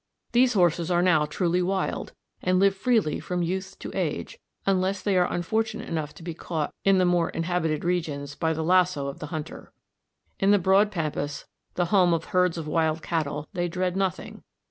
These horses are now truly wild, and live freely from youth to age, unless they are unfortunate enough to be caught in the more inhabited regions by the lasso of the hunter. In the broad pampas, the home of herds of wild cattle, they dread nothing.